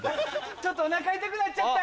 ちょっとお腹痛くなっちゃった！